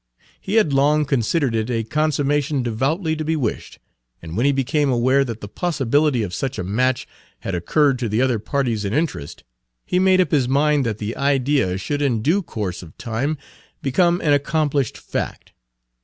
He had long considered it a consummation devoutly to be wished, and when he became aware that the possibility of such a match had occurred to the other parties in interest, he made up his mind that the idea should in due course of time become an accomplished fact.